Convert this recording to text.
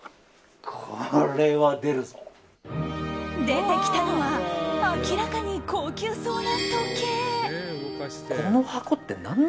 出てきたのは明らかに高級そうな時計。